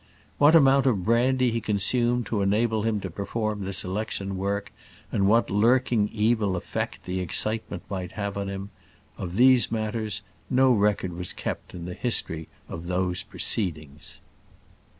What amount of brandy he consumed to enable him to perform this election work, and what lurking evil effect the excitement might have on him of these matters no record was kept in the history of those proceedings.